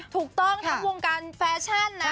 ถูกต้องทั้งวงการแฟชั่นนะ